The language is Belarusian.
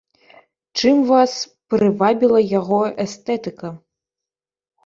Чым вас прывабіла яго эстэтыка?